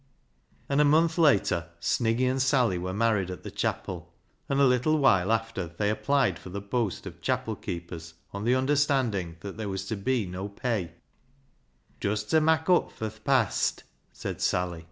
" And a month later Sniggy and Sally were married at the chapel, and a little while after they applied for the post of chapel keepers on the understanding that there was to be no pay — "Just ta' mak' up fur th' past," said Sally.